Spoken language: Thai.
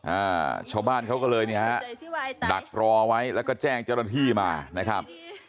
อ่าชาวบ้านเขาก็เลยเนี่ยฮะดักรอไว้แล้วก็แจ้งเจ้าหน้าที่มานะครับ